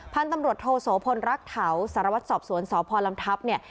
พันธุ์ตำรวจโทโสพลรักเถาสารวัตรสอบสวนสพลำทัพเนี่ย